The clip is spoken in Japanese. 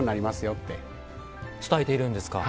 伝えているんですか。